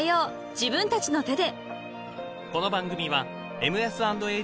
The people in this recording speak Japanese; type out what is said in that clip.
自分たちの手で］